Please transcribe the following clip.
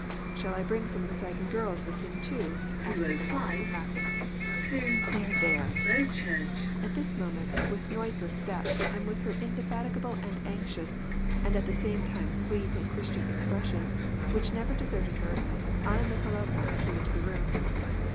"Shall I bring some of the Tsigan girls with him too,' asked Nikolai, laughing." " There ! there !" At this moment, with noiseless steps, and with her inde fatigable and anxious, and at the same time, sweet and Christian expression, which never deserted her, Anna Mikhail ovna came into the room.